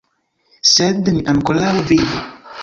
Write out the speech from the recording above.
Sed ni ankoraŭ vidu!